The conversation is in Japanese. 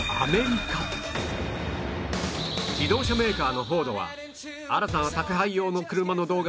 自動車メーカーのフォードは新たな宅配用の車の動画を発表